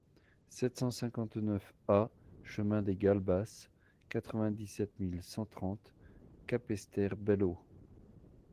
sept cent cinquante-neuf A chemin des Galbas, quatre-vingt-dix-sept mille cent trente Capesterre-Belle-Eau